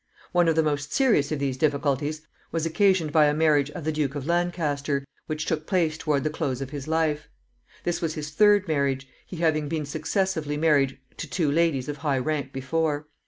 One of the most serious of these difficulties was occasioned by a marriage of the Duke of Lancaster, which took place toward the close of his life. This was his third marriage, he having been successively married to two ladies of high rank before.